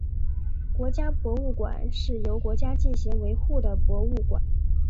国家博物馆是由国家进行维护的博物馆。